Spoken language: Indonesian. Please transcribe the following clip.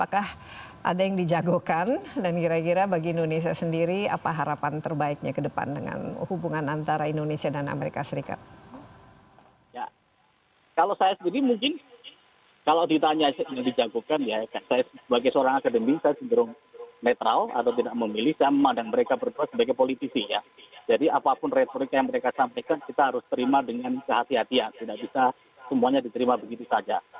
ketiaan tidak bisa semuanya diterima begitu saja